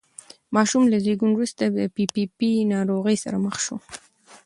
ماشوم له زېږون وروسته د پي پي پي ناروغۍ سره مخ شو.